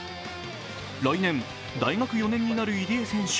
来年大学４年になる入江選手。